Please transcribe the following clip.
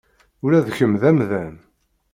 Ula d kemm d amdan.